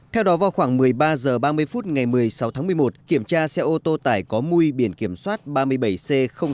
theo đó vào khoảng một mươi ba h ba mươi phút ngày một mươi sáu tháng một mươi một kiểm tra xe ô tô tải có mui biển kiểm soát ba mươi bảy c sáu nghìn bảy mươi sáu